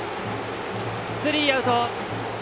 スリーアウト。